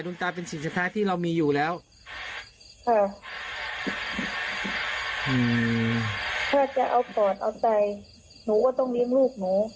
เพราะอย่างน้อยจะยังมีอีกข้างหนึ่งเอาไว้ดู